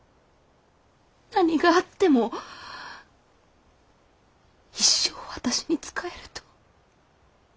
何があっても一生私に仕えると。